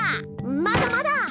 まだまだ！